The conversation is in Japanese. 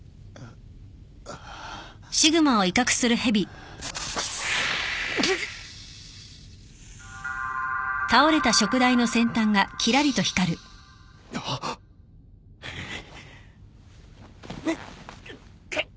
んっくっ。